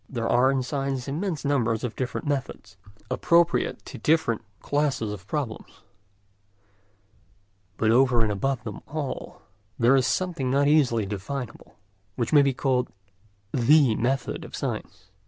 There are in science immense numbers of different methods, appropriate to different classes of problems; but over and above them all, there is something not easily definable, which may be called the method of science.